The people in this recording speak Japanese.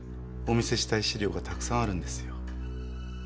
お見せしたい資料がたくさんあるんですよ。